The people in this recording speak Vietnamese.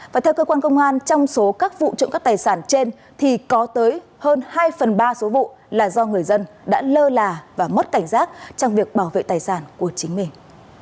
và theo cơ quan công an trong số các vụ trộm cắp tài sản trên thì có tới hơn hai phần ba số vụ là do người dân đã lơ là và mất cảnh giác trong việc bảo vệ tài sản của chính mình